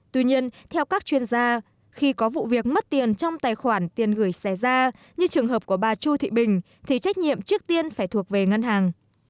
tuy nhiên theo các chuyên gia khi có vụ việc mất tiền trong tài khoản tiền gửi xảy ra như trường hợp của bà chu thị bình thì trách nhiệm trước tiên phải thuộc về ngân hàng